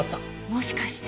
もしかして。